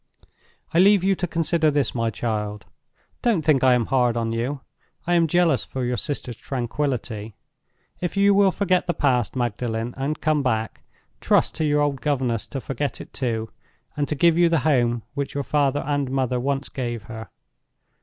"I leave you to consider this. My child, don't think I am hard on you. I am jealous for your sister's tranquillity. If you will forget the past, Magdalen, and come back, trust to your old governess to forget it too, and to give you the home which your father and mother once gave her.